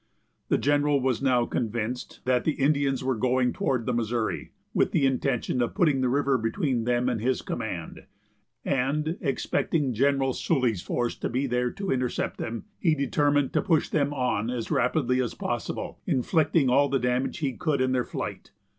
The general was now convinced that the Indians were going toward the Missouri, with the intention of putting the river between them and his command, and, expecting General Sully's force to be there to intercept them, he determined to push them on as rapidly as possible, inflicting all the damage he could in their flight.